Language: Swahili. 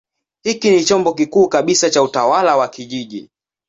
Hiki ni chombo kikuu kabisa cha utawala wa kijiji.